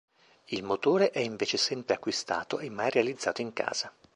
Il motore è invece sempre acquistato e mai realizzato in casa.